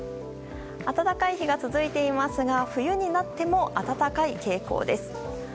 暖かい日が続いていますが冬になっても暖かい傾向です。